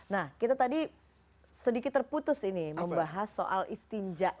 nah kita tadi sedikit terputus ini membahas soal istinjak